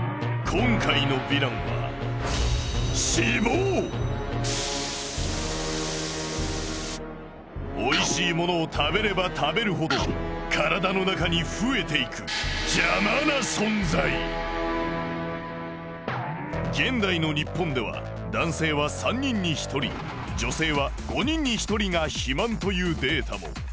今回のヴィランはおいしいものを食べれば食べるほど体の中に増えていく現代の日本ではが肥満というデータも。